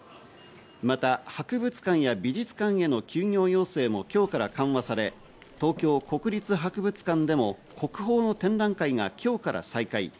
また博物館や美術館への休業要請も今日から緩和され、東京国立博物館でも国宝の展覧会が今日から再開。